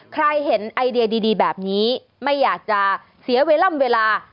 ใครเห็นไอเดียดีแบบนี้ไม่อยากจะเสียเวลา